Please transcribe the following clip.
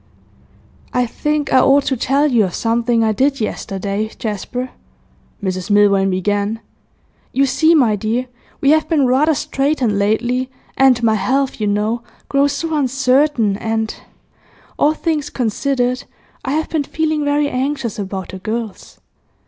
'I think I ought to tell you of something I did yesterday, Jasper,' Mrs Milvain began. 'You see, my dear, we have been rather straitened lately, and my health, you know, grows so uncertain, and, all things considered, I have been feeling very anxious about the girls.